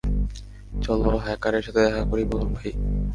চল হ্যাকারের সাথে দেখা করি, বলুন ভাই।